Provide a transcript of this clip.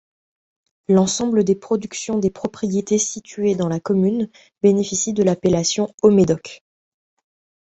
L'ensemble des productions des propriétés situées dans la commune bénéficie de l'appellation haut-médoc.